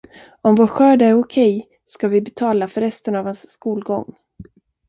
Om vår skörd är okej ska vi betala för resten av hans skolgång.